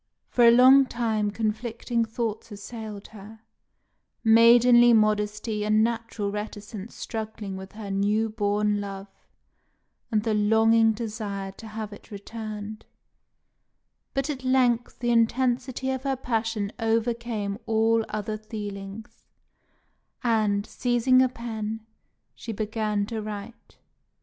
For a long time conflicting thoughts assailed her, maidenly modesty and natural reticence struggling with her new born love and the longing desire to have it returned; but at length the intensity of her passion overcame all other feelings, and, seizing a pen, she began to write.